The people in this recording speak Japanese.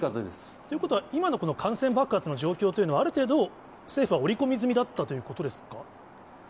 ということは、今のこの感染爆発の状況というのは、ある程度、政府は織り込み済みだったということですか。